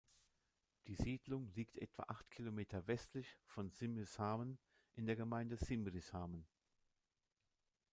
Die Siedlung liegt etwa acht Kilometer westlich von Simrishamn in der Gemeinde Simrishamn.